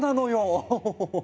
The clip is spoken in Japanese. オホホホ。